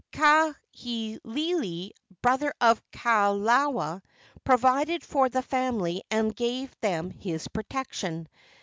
Kahekili, brother of Kalola, provided for the family and gave them his protection.